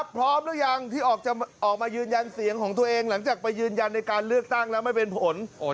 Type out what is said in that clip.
พร้อมหรือยังที่ออกมายืนยันเสียงของตัวเองหลังจากไปยืนยันในการเลือกตั้งแล้วไม่เป็นผล